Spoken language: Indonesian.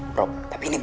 bro tapi ini beda